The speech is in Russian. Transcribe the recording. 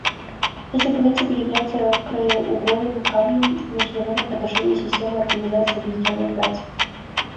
Эти принципы являются краеугольным камнем международных отношений и системы Организации Объединенных Наций.